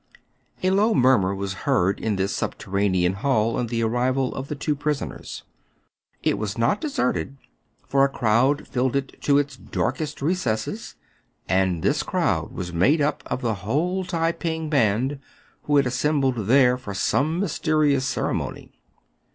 A low murmur was heard in this subterranean hall on the arrival of the two prisoners ; it was not deserted ; for a crowd filled it to its darkest recesses, and this crowd was made up of the whole Tai ping band, who had assembled there for some mysterious ceremony.